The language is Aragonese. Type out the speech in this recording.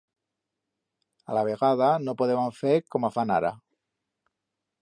Alavegada no podeban fer coma fan ara.